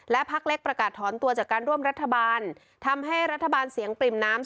และพักเล็กประกาศถอนตัวจากการร่วมรัฐบาลทำให้รัฐบาลเสียงปริ่มน้ำ